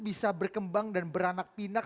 bisa berkembang dan beranak pinak